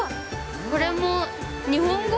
これも日本語？